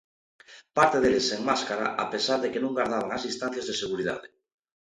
Parte deles sen máscara a pesar de que non gardaban as distancias de seguridade.